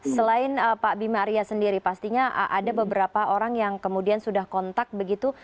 selain pak bima arya sendiri pastinya ada beberapa orang yang kemudian sudah kontak begitu